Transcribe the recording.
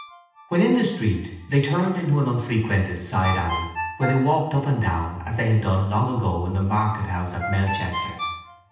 When in the street they turned into an unfrequented side alley where they walked up and down as they had done long ago in the market house at Melchester.